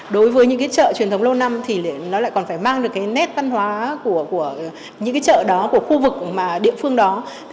đối với những trợ truyền thống lâu năm thì nó lại còn phải mang được nét văn hóa của những trợ đó của khu vực địa phương đó